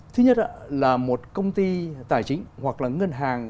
thứ nhất là một công ty tài chính hoặc là ngân hàng